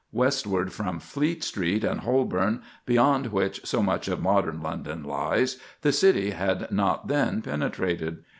Westward from Fleet Street and Holborn, beyond which so much of modern London lies, the city had not then penetrated.